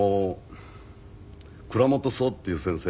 倉本聰っていう先生